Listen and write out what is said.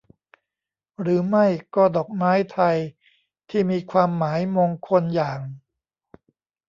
หรือไม่ก็ดอกไม้ไทยที่มีความหมายมงคลอย่าง